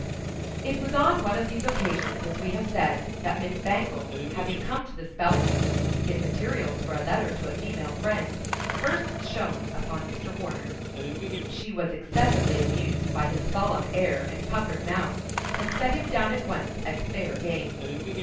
It was on one of these occasions, as we have said, that Miss Bangle, having come to the spelling school to get materials for a letter to a female friend, first shone upon Mr. Horner. She was excessively amused by his solemn air and puckered mouth, and set him down at once as fair game.